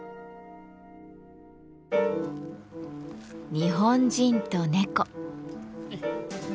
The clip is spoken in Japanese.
日本人と猫。